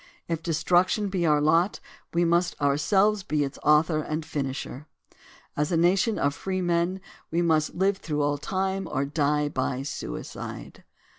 If destruction be our lot, we must ourselves be its author and finisher. As a nation of free men we must live through all time, or die by suicide.